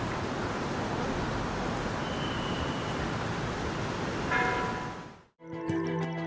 ก็ไม่น่าจะดังกึ่งนะ